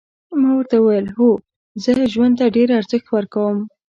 ما ورته وویل هو زه ژوند ته ډېر ارزښت ورکوم.